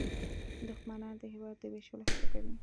دښمنان د هېواد د ویشلو هڅه کوي